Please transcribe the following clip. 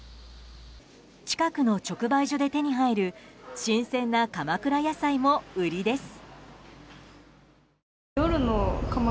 近くの直売所で手に入る新鮮な鎌倉野菜も売りです。